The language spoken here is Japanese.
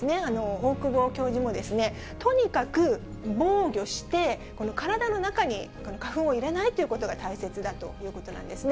大久保教授もですね、とにかく防御して、体の中に花粉を入れないということが大切だということなんですね。